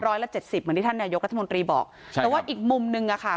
ละเจ็ดสิบเหมือนที่ท่านนายกรัฐมนตรีบอกใช่แต่ว่าอีกมุมนึงอะค่ะ